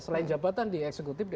selain jabatan di eksekutif